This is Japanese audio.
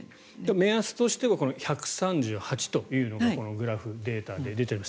目安としては１３８というのがこのグラフ、データで出てます。